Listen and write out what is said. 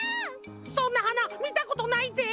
そんなはなみたことないぜ！